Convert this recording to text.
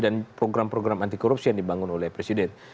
dan program program anti korupsi yang dibangun oleh presiden